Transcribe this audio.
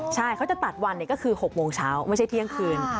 ใช่เขาจะตัดวันก็คือ๖โมงเช้าไม่ใช่เที่ยงคืน